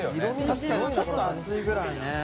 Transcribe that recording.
確かにちょっと暑いくらいね。